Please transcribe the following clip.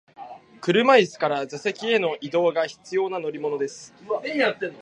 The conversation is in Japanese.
車椅子から座席への移動が必要な乗り物です。